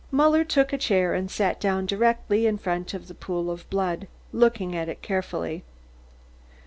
Muller took a chair and sat down directly in front of the pool of blood, looking at it carefully.